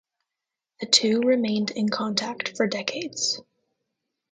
The two remained in contact for decades.